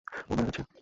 ও মারা যাচ্ছে!